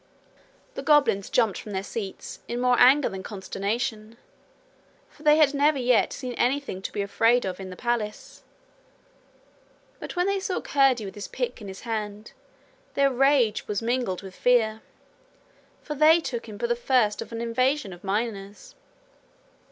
The goblins jumped from their seats in more anger than consternation, for they had never yet seen anything to be afraid of in the palace. But when they saw Curdie with his pick in his hand their rage was mingled with fear, for they took him for the first of an invasion of miners.